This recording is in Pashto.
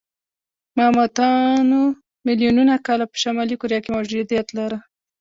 ماموتانو میلیونونه کاله په شمالي کره کې موجودیت لاره.